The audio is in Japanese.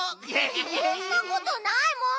そんなことないもん！